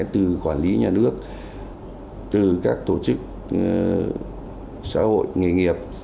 từ quản lý nhà nước từ các tổ chức xã hội nghề nghiệp